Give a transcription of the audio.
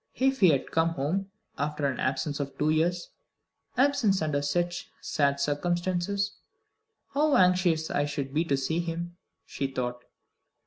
"If he had come home after an absence of two years absence under such sad circumstances how anxious I should be to see him," she thought.